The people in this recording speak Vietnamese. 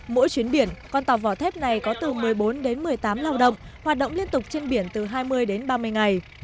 mỗi chuyến biển con tàu vỏ thép này có từ một mươi bốn đến một mươi tám lao động hoạt động liên tục trên biển từ hai mươi đến ba mươi ngày